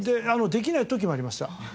できない時もありました。